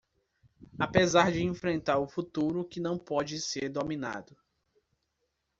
Apesar de enfrentar o futuro que não pode ser dominado